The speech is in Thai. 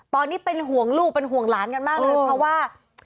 ตอนนี้เป็นห่วงลูกเป็นห่วงหลานกันมากเลยเพราะว่า